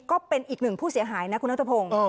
ก็เป็นอีกหนึ่งผู้เสียหายนะคุณนัทพงศ์